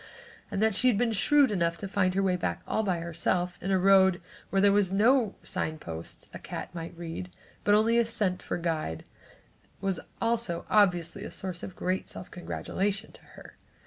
And that she had been shrewd enough to find her way back all by herself in a road where there were no sign posts a cat might read, but only scent for guide was also obviously a source of great self congratulation to her.